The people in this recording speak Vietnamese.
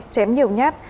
chém nhiều nhát